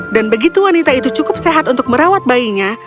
dan begitu wanita itu cukup sehat untuk merawat bayinya